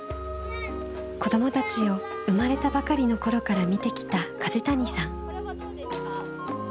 子どもたちを生まれたばかりの頃から見てきた楫谷さん。